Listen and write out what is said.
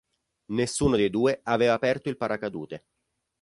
Nessuno dei due aveva aperto il paracadute.